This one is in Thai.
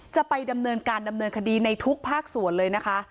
จะไปดำเนินการดำเนินคดีในทุกภาคส่วนเลยนะคะ